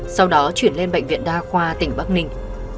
sau đó chuyển lên bệnh viện đa khoa tỉnh bắc ninh